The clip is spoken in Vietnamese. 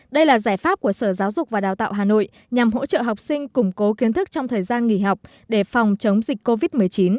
đây là giải pháp của sở giáo dục và đào tạo hà nội nhằm hỗ trợ học sinh củng cố kiến thức trong thời gian nghỉ học để phòng chống dịch covid một mươi chín